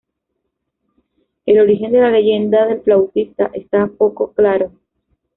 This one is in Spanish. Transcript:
El origen de la leyenda del flautista está poco claro.